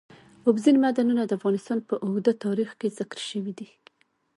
اوبزین معدنونه د افغانستان په اوږده تاریخ کې ذکر شوی دی.